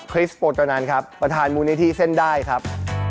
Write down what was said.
ริสโปโตนันครับประธานมูลนิธิเส้นได้ครับ